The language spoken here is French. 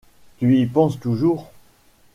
Tu y penses toujours ?